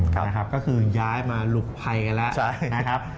ก็คือย้ายมาหลุบไพรกันแล้ว